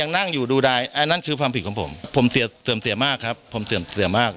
อันนั้นคือฟังผิดของผมผมเสื่อมเสียมากครับผมเสื่อมเสียมาก